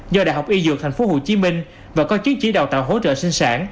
do đh y dược tp hcm và có chứng chỉ đào tạo hỗ trợ sinh sản